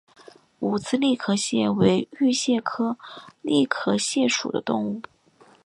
五刺栗壳蟹为玉蟹科栗壳蟹属的动物。